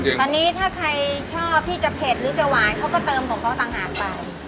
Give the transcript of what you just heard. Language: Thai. ตอนนี้ถ้าใครชอบที่จะเผ็ดหรือจะหวานเขาก็เติมของเขาต่างหากไป